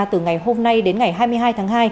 từ ngày hôm nay đến ngày hai mươi hai tháng hai